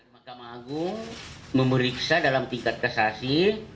mahkamah agung memeriksa dalam tingkat kasasi